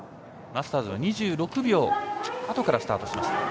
マスターズは２６秒あとからスタートします。